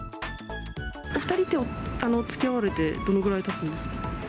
お２人って、つきあわれてどのぐらいたつんですか？